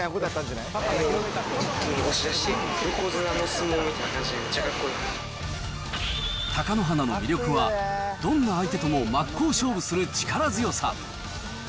一気に押し出して、横綱の相撲みたいな感じで、貴乃花の魅力は、どんな相手とも真っ向勝負する力強さ。